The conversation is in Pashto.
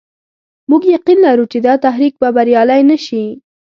موږ يقين لرو چې دا تحریک به بریالی نه شي.